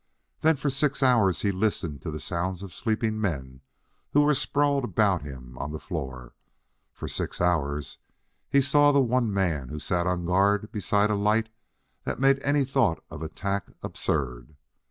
Then for six hours he listened to the sounds of sleeping men who were sprawled about him on the floor; for six hours he saw the one man who sat on guard beside a light that made any thought of attack absurd.